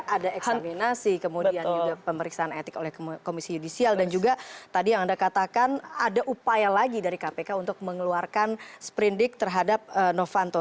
ada eksaminasi kemudian juga pemeriksaan etik oleh komisi yudisial dan juga tadi yang anda katakan ada upaya lagi dari kpk untuk mengeluarkan sprindik terhadap novanto